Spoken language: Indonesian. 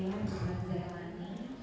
juga sudah elani